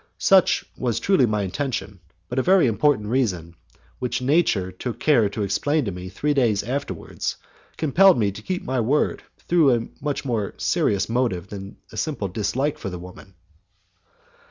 Such was truly my intention, but a very important reason, which nature took care to explain to me three days afterwards, compelled me to keep my word through a much more serious motive than a simple dislike for the woman.